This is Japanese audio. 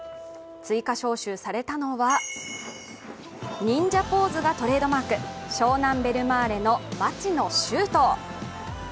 追加招集されたのは忍者ポーズがトレードマーク湘南ベルマーレの町野修斗。